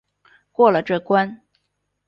过了这关